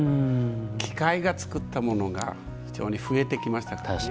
機械が作ったものが非常に増えてきました。